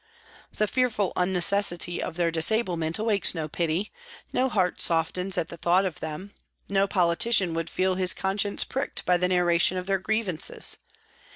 The fearful unnecessity of their disablement awakes no pity, no heart softens at thought of them, no politician would feel his con science pricked by the narration of their grievances.